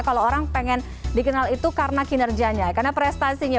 kalau orang pengen dikenal itu karena kinerjanya karena prestasinya